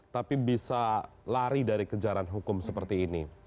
tapi bisa lari dari kejaran hukum seperti ini